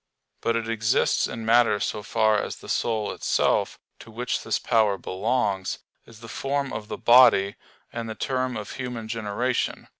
But it exists in matter so far as the soul itself, to which this power belongs, is the form of the body, and the term of human generation.